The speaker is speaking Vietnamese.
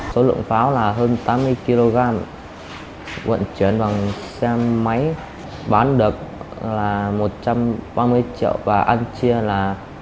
số lượng pháo là hơn tám mươi kg vận chuyển bằng xe máy bán được là một trăm ba mươi triệu và ăn chia là bốn mươi sáu